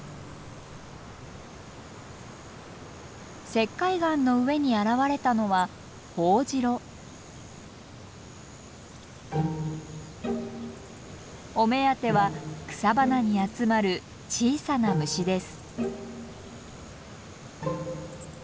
石灰岩の上に現れたのはお目当ては草花に集まる小さな虫です。